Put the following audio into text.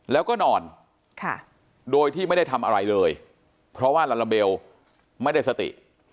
แล้วก็นอนโดยที่ไม่ได้ทำอะไรเลยเพราะว่าลาลาเบลไม่ได้สติ